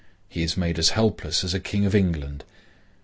He is made as helpless as a king of England.